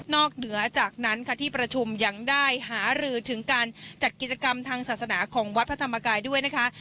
เหนือจากนั้นค่ะที่ประชุมยังได้หารือถึงการจัดกิจกรรมทางศาสนาของวัดพระธรรมกายด้วยนะคะ